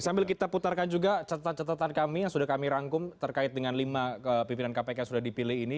sambil kita putarkan juga catatan catatan kami yang sudah kami rangkum terkait dengan lima pimpinan kpk yang sudah dipilih ini